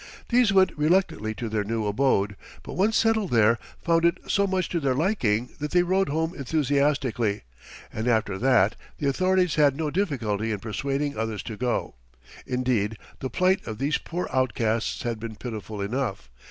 These went reluctantly to their new abode, but once settled there, found it so much to their liking that they wrote home enthusiastically, and after that the authorities had no difficulty in persuading others to go. Indeed, the plight of these poor outcasts had been pitiful enough.